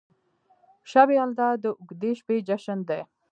شب یلدا د اوږدې شپې جشن دی.